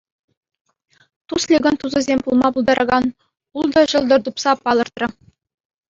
Тусликӑн тусӗсем пулма пултаракан ултӑ ҫӑлтӑр тупса палӑртрӗ.